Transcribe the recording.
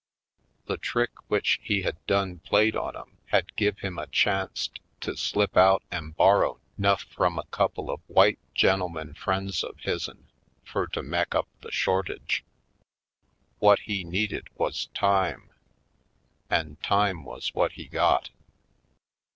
The trick w'ich he had done played on 'em had give him a chanc't to slip out an' borrow 'nuff frum a couple of w'ite gen'elmen frien's of his'n fur to mek up the shortage. Whut he needed wuz time an' time wuz whut he got.